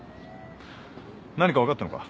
何か分かったのか？